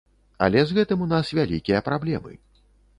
Але з гэтым у нас вялікія праблемы.